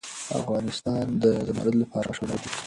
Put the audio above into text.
افغانستان د زمرد لپاره مشهور دی.